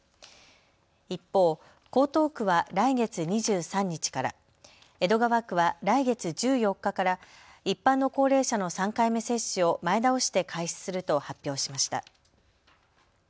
一方、江東区は来月２３日から、江戸川区は来月１４日から一般の高齢者の３回目接種を前倒して開始すると発表しました。